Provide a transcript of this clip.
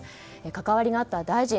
関わりのあった大臣